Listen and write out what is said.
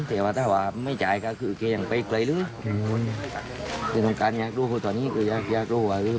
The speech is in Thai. แต่ว่าถ้าว่าไม่จ่ายก็ก็ยังไปไกลแล้ว